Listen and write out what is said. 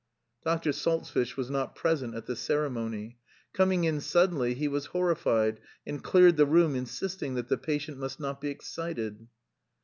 Doctor Salzfish was not present at the ceremony. Coming in suddenly, he was horrified, and cleared the room, insisting that the patient must not be excited.